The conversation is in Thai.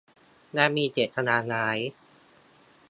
และมีเจตนาร้าย